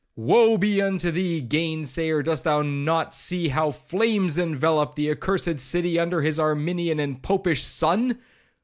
—Woe be unto thee, gainsayer, dost thou not see how flames envelope the accursed city under his Arminian and Popish son?